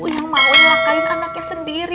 yang mau ngelakain anaknya sendiri